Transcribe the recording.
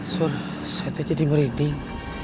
sur saya tadi merinding